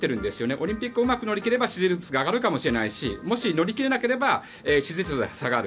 オリンピックをうまく乗り切れば支持率が上がるかもしれないしもし、乗り切れなければ支持率は下がる。